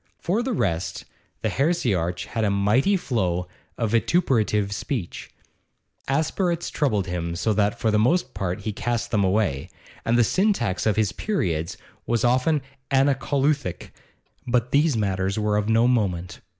For the rest, the heresiarch had a mighty flow of vituperative speech. Aspirates troubled him, so that for the most part he cast them away, and the syntax of his periods was often anacoluthic; but these matters were of no moment.